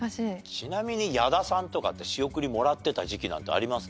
ちなみに矢田さんとかって仕送りもらってた時期なんてあります？